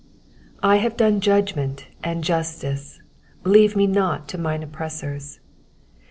I HAVE done judgment and justice : leave me not to mine oppressors.